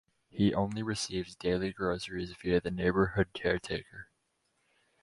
He only receives daily groceries via the neighbourhood caretaker.